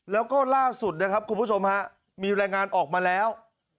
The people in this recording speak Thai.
แล้วก็ล่าสุดนะครับคุณผู้ชมฮะมีรายงานออกมาแล้ว